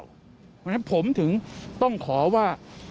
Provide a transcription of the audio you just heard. เพราะฉะนั้นผมถึงต้องขอว่า